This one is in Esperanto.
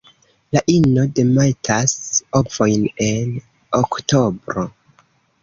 La ino demetas ovojn en oktobro.